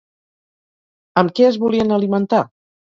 Amb què es volien alimentar?